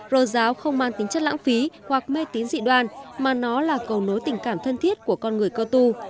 rờ giáo không mang tính chất lãng phí hoặc mê tín dị đoan mà nó là cầu nối tình cảm thân thiết của con người cơ tu